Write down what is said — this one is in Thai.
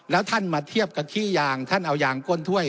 แล้วท่านมาเทียบกับขี้ยางท่านเอายางก้นถ้วย